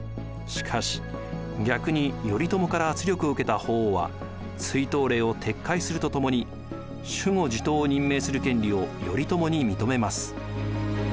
しかし逆に頼朝から圧力を受けた法皇は追討令を撤回するとともに守護・地頭を任命する権利を頼朝に認めます。